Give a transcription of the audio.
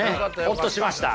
ホッとしました。